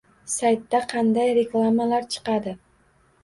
Saytda qanday reklamalar chiqadi